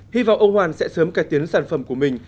hy vọng ông hoàn sẽ sớm cải tiến sản phẩm của mình